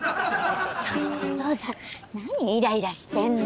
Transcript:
ちょっとおとうさん何イライラしてんの？